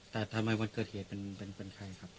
แต่ทำไมวันเกิดเหตุเป็นใครครับ